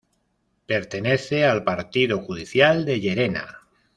Pertenece al Partido judicial de Llerena.